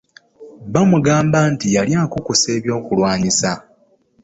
Bamugamba yali akukusa eby'okulwanyisa.